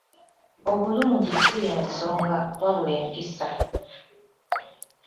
Obulungi si y’ensonga wabula empisa.